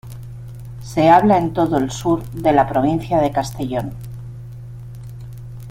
Se habla en todo el sur de la provincia de Castellón.